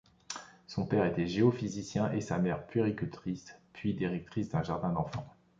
Son père était géophysicien et sa mère puéricultrice, puis directrice d'un jardin d'enfants.